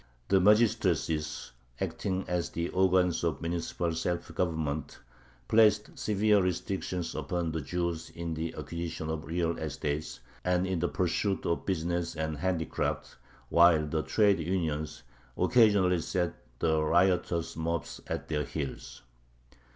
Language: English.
The magistracies, acting as the organs of municipal self government, placed severe restrictions upon the Jews in the acquisition of real estate and in the pursuit of business and handicrafts, while the trade unions occasionally set the riotous mobs at their heels.